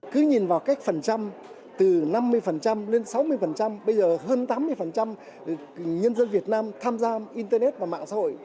cứ nhìn vào cách phần trăm từ năm mươi lên sáu mươi bây giờ hơn tám mươi nhân dân việt nam tham gia internet và mạng xã hội